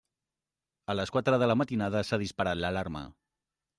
A les quatre de la matinada s'ha disparat l'alarma.